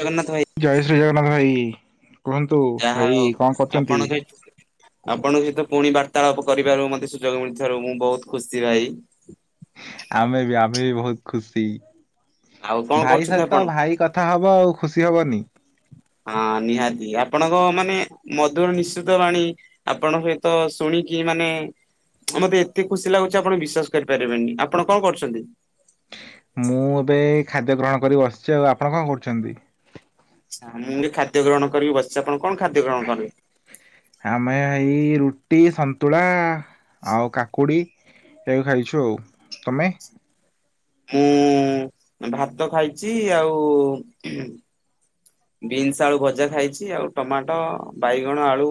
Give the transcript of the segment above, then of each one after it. ଜଗନ୍ନାଥ ଭାଇ ଜୟ ଶ୍ରୀ ଜଗନ୍ନାଥ ଭାଇ କୁହନ୍ତୁ ଭାଇ ଯାହାହଉ କଣ କରୁଛନ୍ତି? ଆପଣଙ୍କ ଆପଣଙ୍କ ସହିତ ପୁଣି ବାର୍ତ୍ତାଳାପ କରିବାରୁ ମତେ ସୁଯୋଗ ମିଳିଥିବାରୁ ମୁଁ ବହୁତ ଖୁସି ଭାଇ। ଆମେ ବି ଆମେ ବି ବହୁତ ଖୁସି ଆଉ କଣ ଭାଇ କରୁଛନ୍ତି ଆପଣ? ସହିତ ଭାଇ କଥା କଥା ହେବ ଆଉ ଖୁସି ହେବନି। ହଁ ନିହାତି ଆପଣଙ୍କ ମାନେ ମଧୁର ନିଶ୍ରିତ ବାଣୀ। ଆପଣ ହୁଏତ ଶୁଣିକି ମାନେ। ଆଉ ମତେ ଏତେ ଖୁସି ଲାଗୁଛି ଆପଣ ବିଶ୍ଵାସ କରିପାରିବେନି। ଆପଣ କଣ କରୁଛନ୍ତି? ମୁଁ ଏବେ ଖାଦ୍ୟ ଗ୍ରହଣ କରି ବସିଛି ଆଉ। ଆପଣ କଣ କରୁଛନ୍ତି? ଆଁ ଖାଦ୍ୟ ଗ୍ରହଣ କରିବି ବସି ଆପଣ କଣ ଖାଦ୍ୟ ଗ୍ରହଣ କରିଲେ? ଆମେ ଏଇ ରୁଟି, ସନ୍ତୁଳା, ଆଉ କାକୁଡି। ଏହ ଖାଇଛୁ ଆଉ ତମେ? ମୁଁ ଭାତ ଖାଇଛି ଆଉ। ବିନ୍ସ ଆଳୁ ଭଜା, ଖାଇଛି ଆଉ ଟମାଟୋ, ବାଇଗଣ, ଆଳୁ।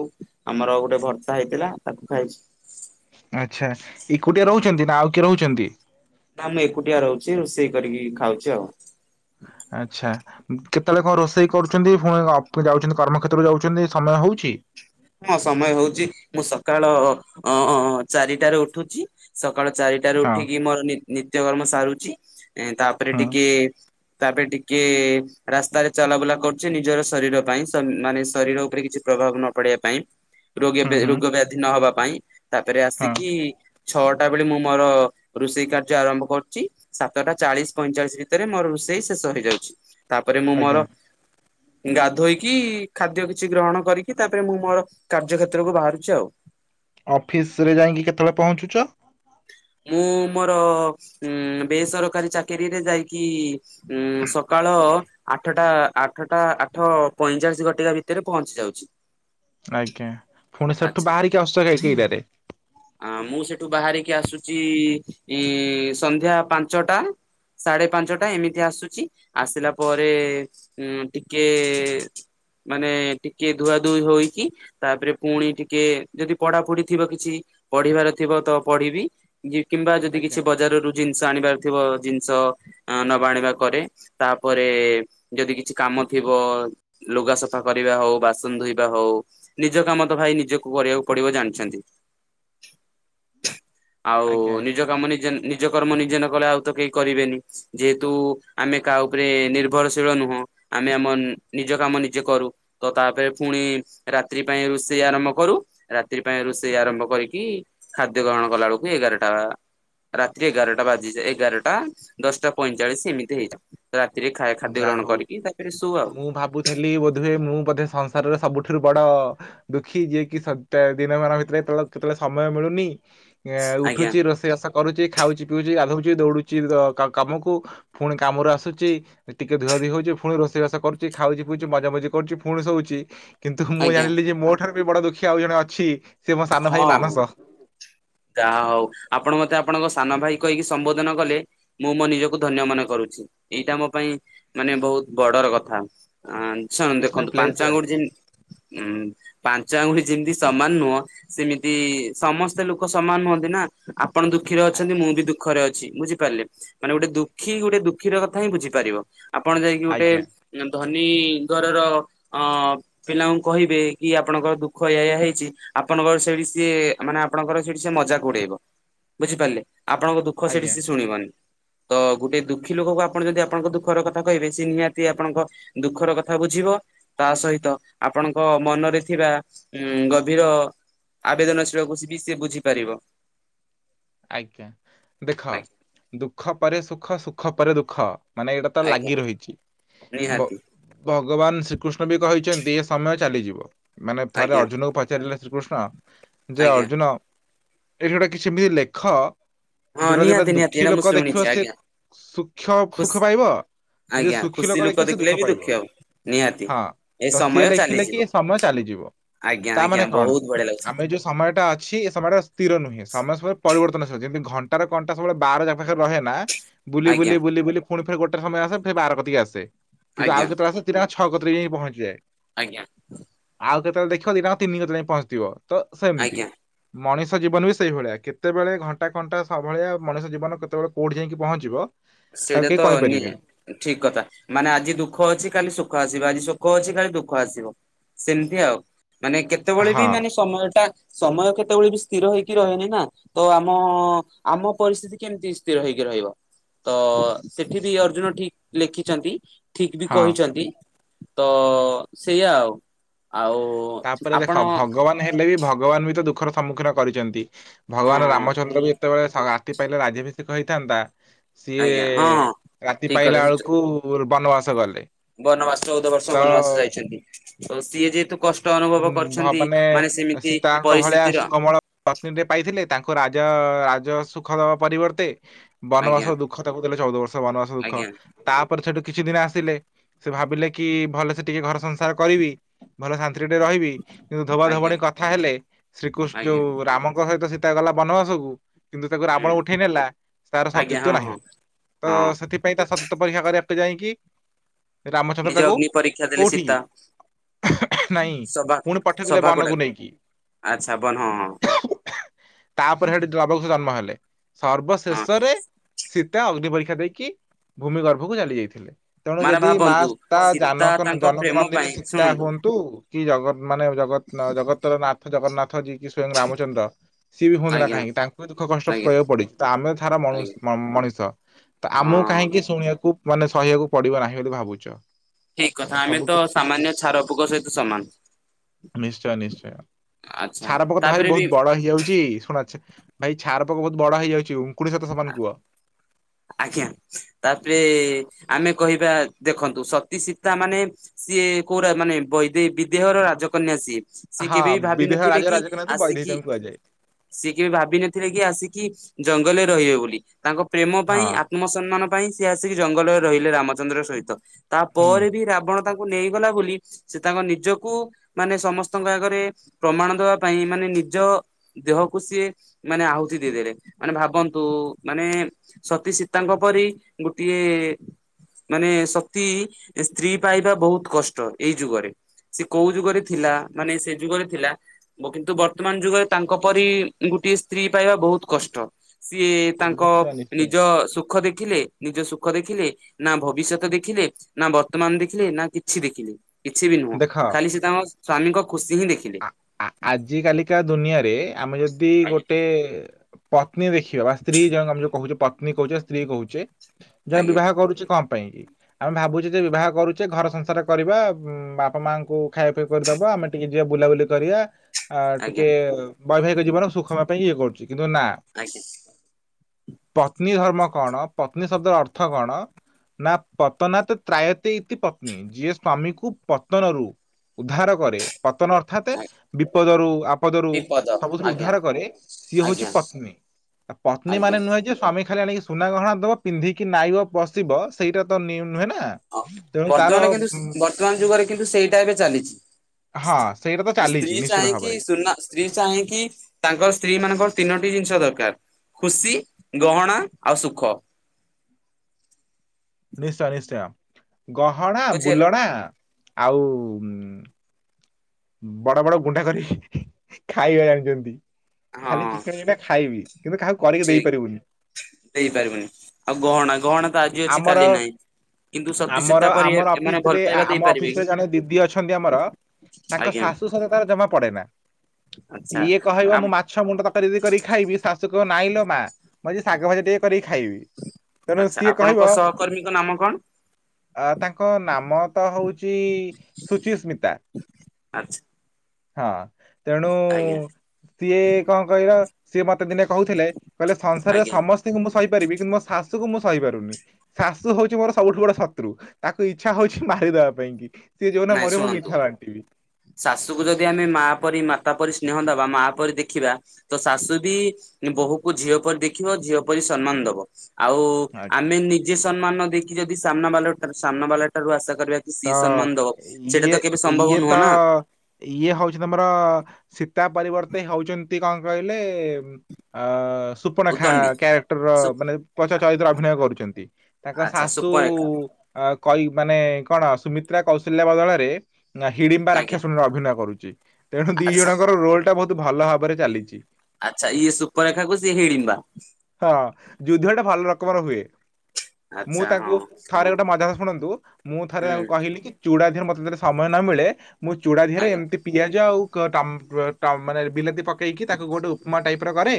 ଆମର ଗୋଟେ ଭର୍ତ୍ତା ହେଇଥିଲା ତାକୁ ଖାଇଛି। ଆଚ୍ଛା ଏକୁଟିଆ ରହୁଛନ୍ତି ନା ଆଉ କିଏ ରହୁଛନ୍ତି। ନା ମୁଁ ଏକୁଟିଆ ରହୁଛି ରୋଷେଇ କରିକି ଖାଉଛି ଆଉ। ଆଛା କେତେବେଳେ କଣ ରୋଷେଇ କରୁଛନ୍ତି, ପୁଣି ଯାଉଛନ୍ତି କର୍ମ ଖତ୍ର ତ୍ରରେ ଯାଉଛନ୍ତି ସମୟ ହଉଛି? ହଁ ସମୟ ହଉଛି ମୁଁ ସକାଳ ଅ ଚାରିଟାରେ ଉଠୁଛି ସକାଳ ଚାରିଟ ଏଠାରୁ ହଁ ଉଠିକି ମୋର ନିତ୍ୟକର୍ମ ସାରୁଛି ତାପରେ ହୁଁ ଟିକେ ତାପରେ ଟିକେ ରାସ୍ତାରେ ଚଲାବୁଲା କରୁଛି ନିଜର ଶରୀର ପାଇଁ ମାନେ ଶରୀର ଉପରେ କିଛି ପ୍ରଭାବ ନ ପଡିବା ପାଇଁ ରୋଗ, ହୁଁ ହୁଁ ରୋଗ ବ୍ୟାଧି ନହବା ପାଇଁ ତାପରେ ହଁ ଆସିକି ଛଅଟା ବେଳେ ମୁଁ ମୋର। ରୋଷେଇ କାର୍ଯ୍ୟ ଆରମ୍ଭ କରୁଛି, ସାତଟା ଚାଳିଶ ପଇଁଚାଳିଶ ଭିତରେ ମୋର ରୋଷେଇ ଶେଷ ହେଇଯାଉଛି। ତାପରେ ମୁଁ ଆଜ୍ଞା। ମୋର ଗାଧୋଇକି ଖାଦ୍ୟ କିଛି ଗ୍ରହଣ କରିକି ତାପରେ ମୁଁ ମୋର କାର୍ଯ୍ୟ କ୍ଷେତ୍ରକୁ ବାହାରୁଛି ଆଉ ଅଫିସରେ ଯାଇକି କେତେବେଳେ ପହଞ୍ଚୁଛ? ମୁଁ ମୋର ଉଁ ବେସରକାରୀ ଚାକିରିରେ ଯାଇକି ଉଁ ସକାଳ ଆଠଟା ଆଠଟା ଆଠ ପଇଁଚାଳିଶ ଘଟିବା ଭିତରେ ପହଞ୍ଚି ଯାଉଛି। ଆଜ୍ଞା ଫୁଣି ସେଠୁ ବାହାରିକି ଆସୁଛ କେ-କେଇଟାରେ ଆଁ ମୁଁ ସେଠୁ ବାହାରିକି ଆସୁଛି-ଇ ସନ୍ଧ୍ୟା ପାଞ୍ଚଟା ସାଢେ ପାଞ୍ଚଟା ଏମିତି ଆସୁଛି ଆସିଲା ପରେ ଉ ଟିକେ ମାନେ ଟିକେ ଧୁଆ ଧୁଇ ହୋଇକି ତାପରେ ପୁଣି ଟିକେ ଯଦି ପଡାପଡି ଥିବ କିଛି ପଢ଼ିବାର ଥିବ ତ ପଢିବି କିମ୍ବା ଯଦି ଆଜ୍ଞା କିଛି ବଜାର ରୁ ଜିନିଷ ଆଣିବାରଥିବ ଜିନିଷ ଅଁ ନବାଆଣିବା କରେ ତାପରେ ଯଦି କିଛି କାମ ଥିବ ଲୁଗା ସଫା କରିବା ହଉ ବାସନ ଧୋଇବା ହଉ ନିଜ କାମ ତ ଭାଇ ନିଜକୁ କରିବାକୁ ପଡିବ ଜାଣିଛନ୍ତି। ଆଉ ଆଜ୍ଞା ନିଜ ଆଜ୍ଞା କାମ ନିଜେ, ନିଜ କର୍ମ ନିଜେ ନ କଲେ ଆଉ ତ କେହି କରିବେନି। ଯେହେତୁ ଆମେ କାହା ଉପରେ ନିର୍ଭରଶୀଳ ନୁହଁ। ଆମେ ଆମ-ମ ନିଜ କାମ ନିଜେ କରୁ। ତ ତାପରେ ପୁଣି ରାତ୍ରି ପାଇଁ ରୋଷେଇ ଆରମ୍ଭ କରୁ ରାତ୍ରି ପାଇଁ ରୋଷେଇ ଆରମ୍ଭ କରିକି କି ଖାଦ୍ୟ ଗ୍ରହଣ କଲା ବେଳକୁ ଏଗାର ଟା ରାତ୍ରି ଏଗାରଟା ବାଜି ଯିଏ ଏଗାରଟା ଦଶଟା ପଇଁଚାଳିଶ ଏମିତି ହେଇଯାଏ। ରାତିରେ ଖା-ଖାଦ୍ୟ ଗ୍ରହଣ କରିକି ତାପରେ ଶୁ ଆଉ ହେଲି ବୋଧହୁଏ ମୁଁ ବୋଧେ ସଂସାରର ସବୁଠାରୁ ବଡ଼ ଦୁଃଖୀ ଯିଏ କିି ସତା ଦିନମାନ ଭିତରେ କେତେବେଳେ କେତେବେଳେ ସମୟ ମିଳୁନି ଏ ଆଜ୍ଞା ଉଠୁଛି ରୋଷେ ବାସ କରୁଛି ଖାଉଛି ପିଉଛି ଗାଧଉଛି ଦୌଡୁଛି ଜ କା- କାମକୁ ପୁଣି କାମରୁ ଆସୁଛି। ଟିକେ ଧୁଆଧିଇ ହଉଛିୁ ପୁଣି ରୋଷେଇବାସ କରୁଛି ଖାଉଛି ପିଉଛି ମଜାମଜି କରୁଛି ପୁଣି ଶୋଉଛି। କିନ୍ତୁ ମୁଁ ଆଜ୍ଞା ଜାଣିଲି ଯେ ମୋ ଠାରୁ ବି ବଡ ଦୁଃଖୀ ଆଉ ଜଣେ ଅଛି ସିଏ ମୋ ସାନ ହଁ ଭାଇ ହଁ। ମାନସ ଯାହା ହଉ ଆପଣ ମତେ ଆପଣଙ୍କ ସାନ ଭାଇ କହିକି ସମ୍ବୋଧନ କଲେ। ମୁଁ ମୋ ନିଜକୁ ଧନ୍ୟ ମନେ କରୁଛି ଏଇଟା ମୋ ପାଇଁ ମାନେ ବହୁତ ବଡର କଥା। ଆଁ ଛାଣ ଇଟ୍ସ ମାଇ ଦେଖନ୍ତୁ ପ୍ଲେଜର। ପାଞ୍ଚଆଙ୍ଗୁଡି ଯେମିତି ଉଁ ପାଞ୍ଚ ଆଙ୍ଗୁଳି ଯେମିତି ସମାନ ନୁହଁ ସେମିତି ସମସ୍ତେ ଲୋକ ଲୋକ ସମାନ ନୁହନ୍ତି ନା ଆପଣ ଦୁଃଖୀରେ ଆ- ଅଛନ୍ତି ମୁଁ ବି ଦୁଃଖରେ ଅଛି ବୁଝିପାରିଲେ। ମାନେ ଗୋଟେ ଦୁଃଖୀ ଗୋଟେ ଦୁଃଖୀର କଥା ହିଁ ବୁଝିପାରିବ ଆପଣ ଯାଇକି ଗୋଟେ ଆଜ୍ଞା ଧନୀ ଘରର ଅଁ ପିଲାଙ୍କୁ କହିବେ କି ଆପଣଙ୍କର ଦୁଃଖ ଏଇଆ ଏଇଆ ହେଇଛି ଆପଣଙ୍କର ସେଇଠି ସିଏ ମାନେ ଆପଣଙ୍କର ସେଠି ସେ ମଜାକ ଉଡେଇବ ବୁଝିପାରିଲେ ଆପଣଙ୍କ ଦୁଃଖ ସେଠି ଆଜ୍ଞା ସେ ଶୁଣିବନି। ତ ଗୋଟେ ଦୁଃଖୀ ଲୋକଙ୍କୁ ଆପଣ ଯଦି ଆପଣଙ୍କ ଦୁଃଖର କଥା କହିବେ ସେ ନିହାତି ଆପଣଙ୍କ ଦୁଃଖର କଥା ବୁଝିବ। ତା ସହିତ ଆପଣଙ୍କ ମନରେ ଥିବା ଉଁ ଗଭୀର ଆବେଦନଶୀଳକୁସି ବି ସିଏ ବୁଝିପାରିବ। ଆଜ୍ଞା ଦେଖ ଆଜ୍ଞା ଦୁଃଖ ପରେ ସୁଖ ସୁଖ ପରେ ଦୁଃଖ। ମାନେ ଏଇଟା ତ ଆଜ୍ଞା ଲାଗି ରହିଛି ବ ନିହାତି ଭଗବାନ ଶ୍ରୀକୃଷ୍ଣ ବି କହିଛନ୍ତି ଏ ସମୟ ଚାଲିଯିବ ମାନେ ଥରେ ଆଜ୍ଞା ଅର୍ଜୁନକୁ ପଚାରିଲେ। ଶ୍ରୀକୃଷ୍ଣ ଯେ ଆଜ୍ଞା। ଅର୍ଜୁନ ଏଠି ଗୋଟେ କିଛି ଏମିତି ଲେଖ ହଁ ଯୋଉଟା ଦେଖିବ ନିହାତି ନିହାତି ଦୁଃଖୀ ଏଇଟା ମୁଁ ଲୋକ ଶୁଣିଛି ଦେଖିବ ସିଏ ଆଜ୍ଞା ସୁଖ୍ୟ ଖୁସି ସୁଖ ପାଇବ। ଯଦି ଆଜ୍ଞା ସୁଖୀ ଖୁସି ଲୋକ ଦେଖିବ ସିଏ ଦେଖିଲେ ଦୁଃଖ ବି ପାଇବ ଦୁଃଖୀ ହବ। ନିହାତି ହଁ ଏ ତ ସମୟ ସିଏ ଲେଖି ଚାଲିଯିବ ଲେଖି ଏ ସମୟ ଚାଲିଯିବ। ଆଜ୍ଞା ତା ମାନେ ଆଜ୍ଞା କଣ? ବହୁତ ବଢିଆ ଲାଗୁଛି। ଆମେ ଯୋଉ ସମୟ ଟା ଅଛି ଏ ସମୟଟା ସ୍ଥିର ନୁହେଁ ସମୟ ସମୟରେ ପରିବର୍ତ୍ତନ ଯେମତି ଘଣ୍ଟାର କଣ୍ଟା ସବୁଳେ ବାରାକ ପାଖ ରହେ ନା ବୁଲି ଆଜ୍ଞା ବୁଲି ବୁଲି ବୁଲି ପୁଣି ଫେରେ ଗୋଟେ ସମୟ ଆସେ ଫେ ବାର କତିକି ଆସେ କିନ୍ତୁ ଆଜ୍ଞା ଆଉ କେତେଳେ ସେ ତିି ଛଅ କତିକି ପହଞ୍ଚିଯାଏ। ଆଜ୍ଞା। ଆଉ କେତେବେଳେ ଦେଖିବ ଦିଟାଙ୍କ ତିନି କତିରେ ପହଞ୍ଚିଥିବ ତ ସେମିତି। ଆଜ୍ଞା। ମଣିଷ ଜୀବନ ବି ସେଇଭଳିଆ କେତେବେଳେ ଘଣ୍ଟା ଘଣ୍ଟା ସବଭଳିଆ ମଣିଷ ଜୀବନ କେତେବେଳେ କଉଠି ଯାଇକି ପହଞ୍ଚିବ। ତାକୁ କେହି ସେଇଟାତ ନି କହିପାରିବେନି ଠିକ କଥା ମାନେ ଆଜି ଦୁଃଖ ଅଛି କାଲି ସୁଖ ଆସିବ ଆଜି ସୁଖ ଅଛି କାଲି ଦୁଃଖ ଆସିବ। ସେମିତି ଆଉ ମାନେ କେତେବେଳେ ହଁ ବି ମାନେ ସମୟ ଟା ସମୟ କେତେବେଳେ ବି ସ୍ଥିର ହେଇକି ରହେନି ନା। ତ ଆମ ଆମ ପରିସ୍ଥିତି କେମିତି ସ୍ଥିର ହେଇକି ରହିବ। ତ ସେଠି ବି ଅର୍ଜୁନ ଠିକ ଲେଖିଛନ୍ତି ଠିକ ବି ହଁ। କହିଛନ୍ତି। ତ ସେଇଆା ଆଉ ଆଉ ତାପରେ ଆପଣ ଦେଖ ହଁ ଭଗବାନ ହେ ଲେ ବି ଭଗବାନ ବି ତ ଦୁଃଖର ସମ୍ମୁଖୀନ କରିଛନ୍ତି। ଭଗବାନ ରାମଚନ୍ଦ୍ର ବି ଏତେବେଳେ ରାତି ପାଇଲା ରାଜ୍ୟ ଭିଶେକ ହେଇଥାନ୍ତା। ସିଏ ଆଜ୍ଞା ହଁ ହଁ ରାତି ଠିକ ପାଇଲା କଥା ବେଳକୁ ଉର୍ ବନବାସ ଗଲେ। ବନବାସ ଚଉଦ ବର୍ଷ ତ ବନମାସ ଯାଇଛନ୍ତି ତ ସିଏ ଯେହେତୁ। କଷ୍ଟ ଅନୁଭବ ଉଁ, ଭ କରୁଛନ୍ତି ମାନେ ସେମିତି ସୀତାଙ୍କ ଭଳିଆ ପରିସ୍ଥିତିର ସୁକମଳ ପତ୍ନୀଟେ ପାଇଥିଲେ ତାଙ୍କୁ ରାଜ ରାଜ ସୁଖ ଦବା ପରିବର୍ତ୍ତେ ବନବାସ ଆଜ୍ଞା ଦୁଃଖ ଦୁଖ ତାକୁ ଦେଲେ ଚଉଦ ବର୍ଷ ମାନ ଆସ ଦୁଃଖ ଆଜ୍ଞା ତାପରେ ସେଠୁ କିଛି ଦିନ ଆସିଲେ ସେ ଭାବିଲେ କି ଭଲସ ଟିକେ ଘର ସଂସାର କରିବି ଭଲ ଶ ରହିବି କିନ୍ତୁ ଧୋବା ଆଜ୍ଞା ଧୋବଣୀ କଥା ହେଲେ ଶ୍ରୀକୃଷ୍ଣ ଆଜ୍ଞା ଯୋଉ ରାମଙ୍କ ସହିତ ସୀତା ଗଲା ବନବାସ କୁ କିନ୍ତୁ ତାକୁ ରାବଣ ହୁଁ ଉଠେଇ ନେଲା ତାର ଆଜ୍ଞା ସତୀତ୍ଵ ହଁ ହଁ ନାହିଁ ତ ହଁ ସେଥିପାଇଁ ପାଇଁ ତା ସତିତ୍ଵ ପରୀକ୍ଷା କରିବା ପାଇଁ ଯାଇକି ରାମଚନ୍ଦ୍ର ନିଜ ତାକୁ ଅଗ୍ନି ପରୀକ୍ଷା ଦେଲେ ସୀତା କୋଉଠିକ ନାଇଁ ସଭା ପୁଣି ପଠେଇଥିଲେ ସଭାକୁ ବାନକୁ ଡାକ ନେଇକି ଆଚ୍ଛା ବନ ହଁ ହଁ ତାପରେ ସେଠି ନବ କୁସ ଜନ୍ମ ହେଲେ ହଁ ସର୍ବଶେଷରେ ସୀତା ଅଗ୍ନି ପରୀକ୍ଷା ଦେଇକି ଭୂମି ଗର୍ଭକୁ ଚାଲି ଯାଇଥିଲେ। ତେଣୁ ମାନେ ଯଦି ମା ଭାବନ୍ତୁ ତା ସୀତା ଜନକ ତାଙ୍କ ଜନକ ପ୍ରେମ ନନ୍ଦିନୀ ପାଇଁ ଶୀତା ଶୁଣନ୍ତୁ ହୁଅନ୍ତା। ତୁ କି ଜଗ ମାନେ ଜଗ ଜଗତର ନାଥ ଜଗନ୍ନାଥ ଯିଏ କି ସ୍ଵୟଂ ରାମଚନ୍ଦ୍ର। ସିଏ ବି ହୁଅନ୍ତୁ ନା ଆଜ୍ଞା କାହିଁକି ତାଙ୍କୁ ବି ଦୁଃଖ କଷ୍ଟ ଆଜ୍ଞା କରିବାକୁ ପଡିଛି ତ ଆମେ ତ ଛାର ଆଜ୍ଞା ମଣିଷ। ତ ଆମକୁ ହଁ କାହିଁକି ଶୁଣିବାକୁ ମାନେ ସହିବାକୁ ପଡିବ ନାହିଁ ବୋଲି ଭାବୁଛ। ଠିକ କଥା ଆମେ ସବୁ ତ କିଛି ସାମାନ୍ୟ ଛାର ପୋକ ସହିତ ସମାନ ନିଶ୍ଚୟ ନିଶ୍ଚୟ ଆଚ୍ଛା ଛାର ପୋକ ତ ଭାଇ ତାପରେ ବି ବହୁତ ବଡ ହେଇଯାଉଛି ଶୁଣଛ ଭାଇ ଛାର ପୋକ ବହୁତ ବଡ ହେଇଯାଉଛି ଉକୁଣୀ ସହିତ ସମାନ କୁହ। ଆଜ୍ଞା ତାପରେ ଆମେ କହିବା ଦେଖନ୍ତୁ ସତୀ ସୀତା ମାନେ ସିଏ କୋଉଟା ମାନେ ବିଦେହର ରାଜକନ୍ୟା ସିଏ। ସେି ହଁ କେବେ ବି ବିଦେହ ଭାବିିନଥିଲେ ରାଜ କି ରାଜକନାଥ ଆସିକି ବୈଦେହୀଙ୍କୁ କୁହାଯାଏ। ସିଏ କେବେ ଭାବିନଥିଲେ କି ଆସିକି ଜଙ୍ଗଲରେ ରହିବେ ବୋଲି ତାଙ୍କ ପ୍ରେମ ପାଇଁ ହଁ ଆତ୍ମସନ୍ମାନ ପାଇଁ ସିଏ ଆସିକି ଜଙ୍ଗଲରେ ରହିଲେ ରାମଚନ୍ଦ୍ର ସହିତ ତାପରେ ବି ହୁଁ ରାବଣ ତାଙ୍କୁ ନେଇଗଲା ବୋଲି ସେ ତାଙ୍କ ନିଜକୁ ମାନେ ସମସ୍ତଙ୍କ ଆଗରେ ପ୍ରମାଣ ଦବା ପାଇଁ ମାନେ ନିଜ ଦେହକୁ ସିଏ ମାନେ ଆହୁତି ଦେଇଦେଲେ ମାନେ ଭାବନ୍ତୁ ମାନେ ସତୀ ସୀତାଙ୍କ ପରି ଗୋଟିଏ ମାନେ ସତୀ ସ୍ତ୍ରୀ ପାଇବା ବହୁତ କଷ୍ଟ ଏଇ ଯୁଗରେ। ସେ କୋଉ ଯୁଗରେ ଥିଲା ମାନେ ସେ ଯୁଗରେ ଥିଲା। କିନ୍ତୁ ବର୍ତ୍ତମାନ ଯୁଗରେ ତାଙ୍କ ପରି ଗୋଟିଏ ସ୍ତ୍ରୀ ପାଇବା ବହୁତ କଷ୍ଟ ସିଏ ତାଙ୍କ ନିଶ୍ଚୟ ନିଶ୍ଚୟ ନିଜ ସୁଖ ଦେଖିଲେ ନିଜ ସୁଖ ଦେଖିଲେ ନା ଭବିଷ୍ୟତ ଦେଖିଲେ ନା ବର୍ତ୍ତମାନ ଦେଖିଲେ ନା କିଛି ଦେଖିଲେ। କିଛି ବି ନୁହଁ ଦେଖ ଖାଲି ସେ ତାଙ୍କ ସ୍ଵାମୀଙ୍କ ଖୁସି ହିଁ ଦେଖିଲେ। ଆଜ କାଲିକା ଦୁନିଆରେ ଆମେ ଯଦି ଆଜ୍ଞା ଗୋଟେ ପତ୍ନୀ ଦେଖି ବା ସ୍ତ୍ରୀ ଜଣ ଆମେ ଯୋଉ କହୁଛେ ପତ୍ନୀ କହୁଛେ ସ୍ତ୍ରୀ କହୁଛେ ଜଣେ ଆଜ୍ଞା ବିବାହ କରୁଛି କଣ ପାଇଁ? ଆମେ ଭାବୁଛେ ଯେ ବିବାହ କରୁଛେ ଘର ସଂସାର କରିବା ବାପା ମାଙ୍କୁ ଖାଇବା ପିଇବାକୁ କରି କି ଦବ ଆମେ ଟିକେ ଟିକେ ବୁଲାବୁଲି କରିବା ଟିକେ ବୈବାହିକ ଜୀବନ ସୁଖ ହବା ପାଇଁ ଇଏ କରୁଛି କିନ୍ତୁ ନା ଆଇସ୍ ପତ୍ନୀ ଧର୍ମ କଣ ପତ୍ନୀ ଶବ୍ଦର ଅର୍ଥ କଣ? ନା ପତନାତ୍ ତ୍ରାୟତେ ଇତି ପତ୍ନୀ ଯିଏ ସ୍ଵାମୀକୁ ପତନରୁ ଉଦ୍ଧାର କରେ ପତନ ଅର୍ଥ ଆଜ୍ଞା ଅର୍ଥାତ ବିପଦରୁ ଆପଦରୁ ବିପଦ ସବୁଥିରୁ ଆଜ୍ଞା ଉଦ୍ଧାର କରେ ସିଏ ଆଜ୍ଞା ହଉଛି ପତ୍ନୀ। ପତ୍ନୀ ଆଜ୍ଞା ମାନ ନୁହେଁ ଯେ ସ୍ଵମୀ ଖାଲି ଆଣିକି ସୁନା ଗହଣା ଦେବ ପିନ୍ଧିକି ନାଇବ ବଶିବ ସେଇଟା ତ ନୁହେଁ ନା ହ, ତେଣୁ ତାର ବର୍ତ୍ତମାନ କିନ୍ତୁ ଉଁ, ବର୍ତ୍ତମାନ ଯୁଗରେ କିନ୍ତୁ ସେଇଟା ଏବେ ଚାଲିଛି। ହଁ ସେଇଟା ତ ଚାଲିଛି ସ୍ତ୍ରୀ ନିଶ୍ଚିତ ଚାହେଁ କି ଭାବରେ ସୁନା ସ୍ତ୍ରୀ ଚାହିଁକି ତାଙ୍କର ସ୍ତ୍ରୀ ମାନଙ୍କର ତିନୋଟି ଜିନିଷ ଦରକାର। ଖୁସି ଗହଣା ଆଉ ସୁଖ ନିଶ୍ଚୟ ନିଶ୍ଚୟ ଗହଣା ବୁଝି ହେଲା ବୁଲଣା ଆଉ। ବଡ, ବଡ ଗୁଣ୍ଡା କରିକି ଖାଇବା ଜାଣିଛନ୍ତି। ଖାଲି ହଁ ଚିକେଣିଆଟା ଖାଇବି କିନ୍ତୁ କାହାକୁ କରିକି ଦେଇ ପାରିବୁନି। ଦେଇ ପାରିବୁନି ଆଉ ଗହଣା ଗହଣା ତ ଆଜି ଅଛି ଆମର କାଲିକି ନାହିଁ। କିନ୍ତୁ ସତୀ ଆମର ସୀତା ପରି ଆମର ଏମାନେ ଅଫିସ ରେ ଭଲ ପାଇବା ଆମ ଦେଇପାରିବେ ଅଫିସ ରେ କି? ଜଣେ ଦିଦି ଅଛନ୍ତି ଆମର ତାଙ୍କ ଆଜ୍ଞା ଶାଶୁ ସହିତ ତାର ଜମା ପଡ଼େନା ଆଚ୍ଛା। ଇଏ କହିବ ମୁଁ ମା ମାଛ ମୁଣ୍ଡ ତରକାରି ଯଦିକରିକି ଖାଇବି ଶାଶୁ କହିବ ନାଇଁ ଲୋ ମା ମୁଁ ଆଜି ଶାଗ ଭାଜି ଟିକେ କରକି ଖାଇବି ତେଣୁ ଆଚ୍ଛା ସିଏ ଆପଣଙ୍କ କହିବ ସହକର୍ମୀଙ୍କ ନାମ କଣ ଅ ତାଙ୍କ ନାମତ ହଉଚି ସୁଚିସ୍ମିତା ଆଚ୍ଛା। ହଁ ତେଣୁ ଆଜ୍ଞା ସିଏ କଣ କହିଲ ସିଏ ମତେ ଦିନେ କହୁଥିଲେ କହିଲେ ସଂସାରରେ ଆଜ୍ଞା। ସମସ୍ତଙ୍କୁ ମୁଁ ସହିପାରିବି କିନ୍ତୁ ମୋ ଶାଶୁକୁ ମୁଁ ସହି ପାରୁନି। ଶାଶୁ ହଉଚି ମୋର ସବୁଠୁ ବଡ଼ ଶତ୍ରୁ ତାକୁ ଇଚ୍ଛା ହଉଛି ମାରିଦବା ପାଇଁ କି ସିଏ ଯୋଉଦିନ ନାଇଁ ମରିବ ମୁଁ ଶୁଣନ୍ତୁ। ମିଠା ବାଣ୍ଟିବି। ଶାଶୁକୁ ଯଦି ଆମେ ମା ପରି ମାତା ପରି ସ୍ନେହ ଦବା ମା ପରି ଦେଖିବା ତ ଶାଶୁବି ବୋହୂକୁ ଝିଅ ପରି ଦେଖିବ ଝିଅ ପରି ସମ୍ମାନ ଦବ। ଆଉ ଆଜ୍ଞା। ଆମେ ନିଜେ ସମ୍ମାନ ନଦେଇକି ଯଦି ସାମ୍ନାବାଲା ସାମ୍ନାବାଲା ଠାରୁ ଆଶା କରିବା ତ ସିଏ ସମ୍ମାନ ଦବ ସେଇଟା ଇଏ ତ କେବେ ସମ୍ଭବ ଇଏ ନୁହଁ ତ ନା ଇଏ ହଉଚି ତମର ସୀତା ପରିବର୍ତ୍ତେ ହଉଚନ୍ତି କଣ କହିଲେ ଆ ସୁପ୍ ସୂପ ନେଖା ଉଦଣ୍ଡି କ୍ୟାରେକ୍ଟର ସୁ ମାନେ ପ୍ରଚାର ଚଳଚିତ୍ର ଅଭିନୟ କରୁଛନ୍ତି ତାଙ୍କ ଆଚ୍ଛା ଶାଶୁ ସୁପରେଖା କଇ ମାନେ କଣ ସୁମିତ୍ରା କୌଶଲ୍ୟା ବଦଳରେ ନା ହିଡ଼ିମ୍ବା ଆଜ୍ଞା ରାକ୍ଷାଶୁଣିର ଅଭିନୟ କରୁଚି ତେଣୁଦି ଆଚ୍ଛା ଜଣଙ୍କର ରୋଲଟା ବହୁତ୍ ଭଲ ଭାବରେ ଚାଲିଚି। ଆଚ୍ଛା ଇଏ ସୁପନେଖାକୁ ସିଏ ହିଡିମ୍ବା। ହଁ, ଯୁଦ୍ଧଟା ଭଲ ରକମର ହୁଏ। ମୁଁ ଆଚ୍ଛା ହଁ ତାଙ୍କୁ ଥରେ ଗୋଟେ ମଜା କଥା ଶୁଣନ୍ତୁ ମୁଁ ଥରେ ତାଙ୍କୁ ହୁଁ କହିଲିକି ଚୁଡା ଧିରେ ମତେ ଯଦ୍ଦୀ ସମୟ ନମିଳେ ମୁଁ ଚୁଡା ଧିରେ ଆଜ୍ଞା ଏମିତି ପିଆଜ ଆଉ କ, ଟ, ଟ, ମାନେ ବିଲାତି ପକେଇକି ତାକୁ ଗୋଟେ ଉପମା ଟାଇପିର କରେ।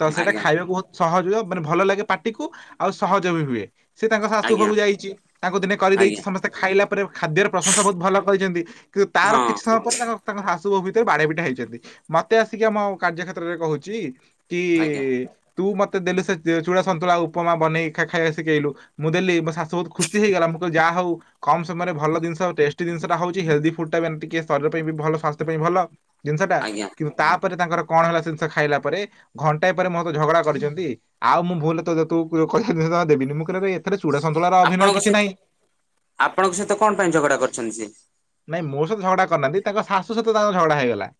ତ ସେଇଟା ଆଜ୍ଞା ଖାଇବାକୁ ବହୁତ୍ ସହଜ ହୁଏ ମାନେ ଭଲ ଲାଗେ ପାଟିକୁ ଆଉ ସହଜବି ହୁଏ। ସିଏ ତାଙ୍କ ଶାଶୁ ଆଜ୍ଞା ଘରକୁ ଯାଇଚି ତାଙ୍କୁ ଦିନେ କରିଦେଇ ଆଜ୍ଞା ସମସ୍ତେ ଖାଇଲା ପରେ ଖାଦ୍ୟର ପ୍ରଶଂସା ବହୁତ୍ ଭଲ କରିଚନ୍ତି କିନ୍ତୁ ତାର ହଁ କିଛି ତା ପରେ ତାଙ୍କ ତାଙ୍କ ଶାଶୁ ବୋହୂ ଭିତରେ ବଢ଼ିଆ ପିଟା ହେଇଛନ୍ତି ମତେ ଆସିକି ଆମ କାର୍ଯ୍ୟ ଖେତ୍ରରେ କହୁଚି କି ଆଜ୍ଞା ତୁମତେ ଦେଲୁ ସେଚୁଡ଼ା ସନ୍ତୁଳା ଉପମା ବନେଇକି ଖା ଖାଇବା ଶିଖେଇଲୁ। ମୁଁ ଦେଲି ମୋଶାଶୁ ବହୁତ୍ ଖୁସି ହେଇଗଲା ମୁଁ କହିଲି ଯାହା ହଉ କମ୍ ସମୟରେ ଭଲ ଜିନିଷ ଟେଷ୍ଟେ ଛି ଜିନିଷଟା ହଉଚି ହେଲ୍ଦି ଫୁଡ୍ ଟା ଏମିତିକି ଶରୀର ପାଇଁବି ଭଲ ସାସ୍ଥ୍ୟ ପାଇଁ ଭଲ ଜିନିଷଟା ଆଜ୍ଞା କି ତାପରେ ତାଙ୍କର କଣ ହେଲା ଜିନିଷ ଖାଇଲା ପରେ ଘଣ୍ଟାଏ ପରେ ମୋସହ ଝଗଡା କରିଚନ୍ତି ଆଉ ମୁଁ ଭୁଲରେ [unintelligible] ଦେବିନି ମୁଁ କହିଲି ଆବେ ସେଥିରେ ଚୁଡ଼ା ସନ୍ତୁଳାର ଅଭିନୟ ଆପଣଙ୍କ କିଛି ସହିତ ନାହିଁ। ଆପଣଙ୍କ ସହିତ କଣ ପାଇଁ ଝଗଡା କରିଛନ୍ତି ସିଏ? ନାଇଁ ମୋସହିତ ଝଗଡା କରିନାହାନ୍ତି ତାଙ୍କ ଶାଶୁ ସହିତ ତାଙ୍କର ଝଗଡା ହେଇଗଲା।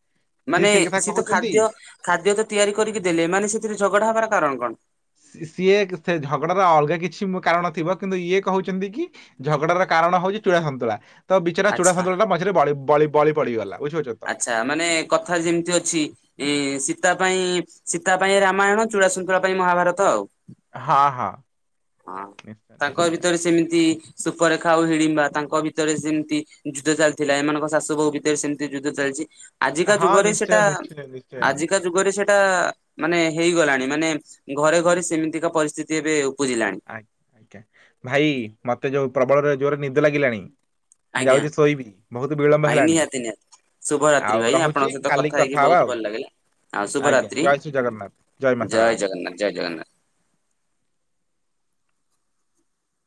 ସିଏ ମାନେ ସେଇ କଥା ସିଏତ କହୁଛନ୍ତି ଖାଦ୍ୟ ଖାଦ୍ୟତ ତିଆରି କରିକି ଦେଲେ ଏମାନେ ସେଥିରେ ଝଗଡ଼ା ହବାର କାରଣ କଣ? ସି ସିଏ ସେ ଝଗଡ଼ାର ଅଲଗା କିଛି କାରଣ ଥିବ କିନ୍ତୁ ଇଏ କହୁଛନ୍ତି କି ଝଗଡ଼ାର କାରଣ ହଉଛି ଚୂଡ଼ା ସନ୍ତୁଳା ତବିଚରା ଚୂଡ଼ା ଆଚ୍ଛା ସନ୍ତୁଳାଟା ମଝିରେ ବଳି ବଳି ପଡ଼ିଗଲା ବୁଝିପାରୁଚନ୍ତି। ଆଚ୍ଛା ମାନେ କଥାରେ ଯେମିତି ଅଛି ଇ ସୀତା ପାଇଁ ସୀତା ପାଇଁ ରାମାୟଣ ଚୂଡ଼ା ସନ୍ତୁଳା ପାଇଁ ମହାଭାରତ ଆଉ। ହଁ ହଁ। ହଁ ନିଶ୍ଚୟ ତାଙ୍କ ନିଶ୍ଚୟ ଭିତରେ ସେମିତି ସୁପରେଖା ଆଉ ହିଡିମ୍ବା ତାଙ୍କ ଭିତରେ ସେମିତି ଯୁଦ୍ଧ ଚାଲିଥିଲା ଏମାନଙ୍କ ଶାଶୁ ବୋହୂ ଭିତରେ ସେମିତି ଯୁଦ୍ଧ ଚାଲିଚି ଆଜିକା ହଁ ଯୁଗରେ ନିଶ୍ଚୟ ସେଟା ନିଶ୍ଚୟ ନିଶ୍ଚୟ ଆଜି କା ଯୁଗରେ ସେଟା ମାନେ ହେଇଗଲାଣି ମାନେ ଘରେ ଘରେ ସେମିତିକା ପରିସ୍ଥିତି ଏବେ ବୁଝିଲାଣି। ଆ ଆଜ୍ଞା ଭାଇ ମତେ ଯୋଉ ପ୍ରବଳରେ ଜୋରେ ନିଦ ଲାଗିଲାଣି। ମୁଁ ଆଜ୍ଞା। ଯାଉଛି ଶୋଇବି ବହୁତ ବିଳମ୍ବ ଆଜ୍ଞା ହେଲାଣି। ନିହାତି ନିହାତି ଶୁଭରାତ୍ରି ଆଉ ଭାଇ ରହୁଛି ଆପଣଙ୍କ ସହିତ କାଲି ହେଇକି କଥା ହବା ବହୁତ ଆଉ। ଭଲ ଲାଗିଲା। ଆଉ ଆଜ୍ଞା ଶୁଭରାତ୍ରି ଜୟ ଶ୍ରୀ ଜଗନ୍ନାଥ ଜୟ ମା ଶାରଳା। ଜଗନ୍ନାଥ ଜୟ ଜଗନ୍ନାଥ।